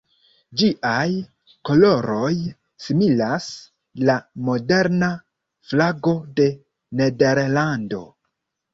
Ĝiaj koloroj similas la moderna flago de Nederlando.